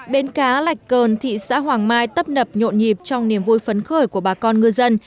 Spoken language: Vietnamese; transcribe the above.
bến cá lạch cơn thị xã hoàng mai tấp nập nhộn nhịp trong niềm vui phấn khởi của bà con ngư dân